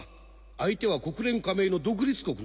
相手は国連加盟の独立国なのだ。